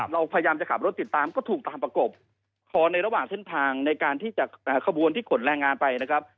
เราพยายามจะขับรถติดตามก็ถูกตามประกบพอในระหว่างเส้นทางในการที่จะขบวนที่ขนแรงงานไปนะครับ